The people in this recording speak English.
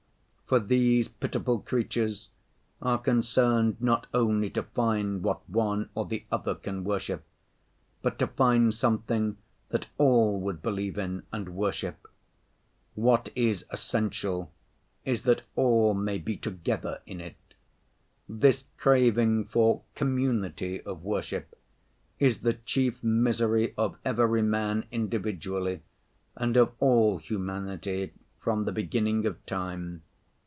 For these pitiful creatures are concerned not only to find what one or the other can worship, but to find something that all would believe in and worship; what is essential is that all may be together in it. This craving for community of worship is the chief misery of every man individually and of all humanity from the beginning of time.